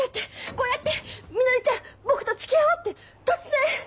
こうやって「みのりちゃん僕とつきあおう！」って突然。